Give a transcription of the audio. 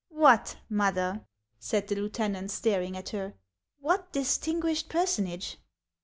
" What, mother !" said the lieutenant, staring at her, — "what distinguished personage